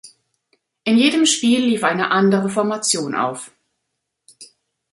In jedem Spiel lief eine andere Formation auf.